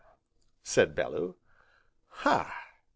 said Bellew, "ha!